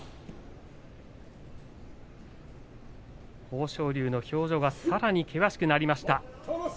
豊昇龍の表情がさらに険しくなりました。